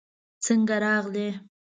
څنګه راغلې؟